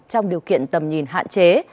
trong điều kiện tầm nhìn hạn chế